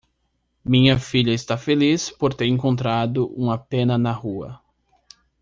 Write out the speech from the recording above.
Minha filha está feliz por ter encontrado uma pena na rua.